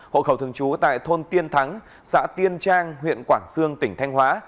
hộ khẩu thường trú tại thôn tiên thắng xã tiên trang huyện quảng sương tỉnh thanh hóa